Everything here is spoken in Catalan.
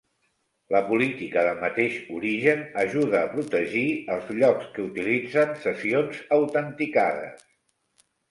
La política de mateix origen ajuda a protegir els llocs que utilitzen sessions autenticades.